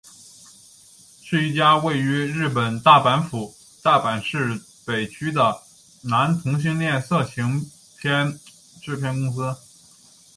是一家位于日本大阪府大阪市北区的男同性恋色情片制片公司。